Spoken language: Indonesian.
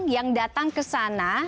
yang datang ke sana